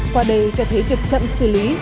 khoa đề cho thấy việc chậm xử lý